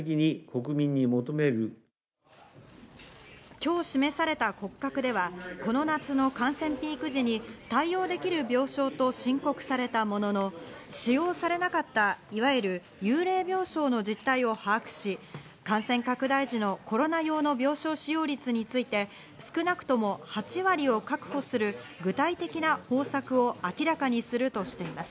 今日示された骨格では、この夏の感染ピーク時に対応できる病床と申告されたものの、使用されなかった、いわゆる幽霊病床の実態を把握し、感染拡大時のコロナ用の病床使用率について少なくとも８割を確保する具体的な方策を明らかにするとしています。